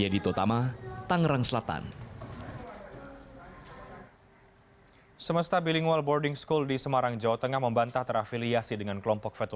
dan sma tersebut